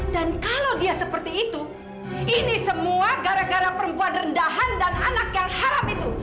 dan kalau dia seperti itu ini semua gara gara perempuan rendahan dan anak yang haram itu